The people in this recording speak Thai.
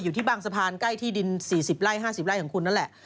อยู่ที่บางสะพานใกล้ที่ดิน๔๐ไร่๕๐ไร่ของคุณนั่นแหละ